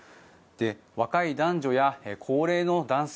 若い男女や高齢の男性